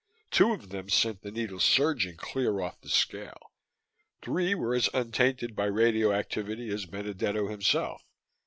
Two of them sent the needle surging clear off the scale; three were as untainted by radioactivity as Benedetto himself.